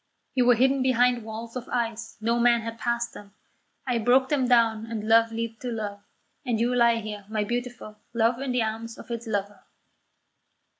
You were hidden behind walls of ice; no man had passed them; I broke them down and love leaped to love, and you lie here, my beautiful, love in the arms of its lover."